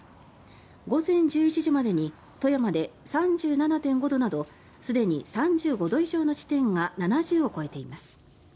午前１１時までに富山で３７．５度などすでに３５度以上の地点が７０を超えています。